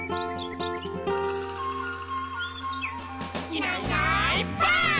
「いないいないばあっ！」